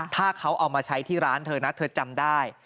ถ้าเขาเอามาใช้ที่ร้านเธอนะเธอจำได้